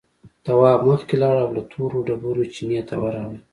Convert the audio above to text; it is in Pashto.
تواب مخکې لاړ او له تورو ډبرو چينې ته ورغی.